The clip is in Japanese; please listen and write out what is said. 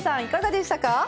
いかがでしたか？